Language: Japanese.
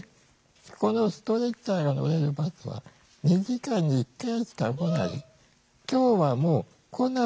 このストレッチャーが乗れるバスは２時間に１回しか来ない？